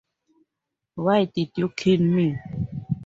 Why Did You Kill Me?